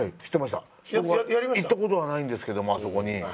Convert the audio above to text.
行ったことはないんですけどもあそこに。